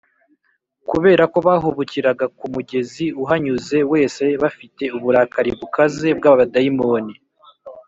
kubera ko bahubukiraga ku mugenzi uhanyuze wese bafite uburakari bukaze bw’abadayimoni